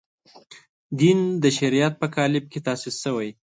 دین د شریعت په قالب کې تاسیس شوی.